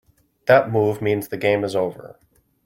That move means the game is over.